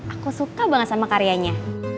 aku suka banget sama karyanya